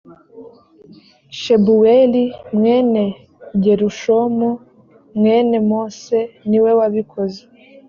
shebuweli mwene gerushomu mwene mose ni we wabikoze